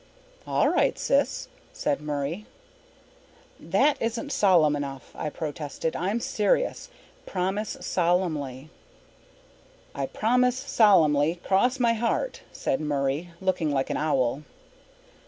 "All right, sis," said Murray. "That isn't solemn enough," I protested. "I'm serious. Promise solemnly." "I promise solemnly, 'cross my heart,'" said Murray, looking like an owl.